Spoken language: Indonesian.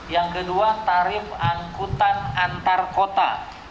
yang kedua tarif angkutan antar kota